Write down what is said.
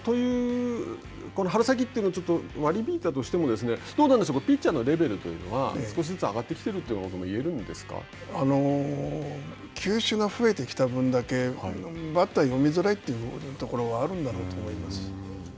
春先は割り引いたとしてもどうなんでしょうかピッチャーのレベルというのは少しずつ上がってきているという球種が増えてきた分だけバッターは読みづらいというところはあるんだろうと思います。